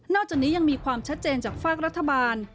จากนี้ยังมีความชัดเจนจากฝากรัฐบาล